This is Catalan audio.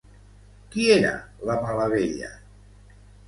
Qui era la Malavella?